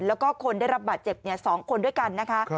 แล้วก็คนได้รับบาดเจ็บ๒คนด้วยกันนะคะ